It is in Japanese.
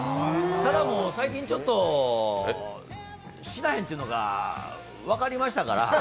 ただ、もう最近ちょっと死なへんというのが分かりましたから。